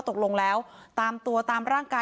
ต้องรอผลพิสูจน์จากแพทย์ก่อนนะคะ